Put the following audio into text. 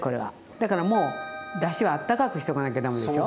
だからもうだしはあったかくしとかなきゃダメですよ。